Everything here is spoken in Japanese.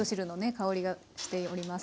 香りがしております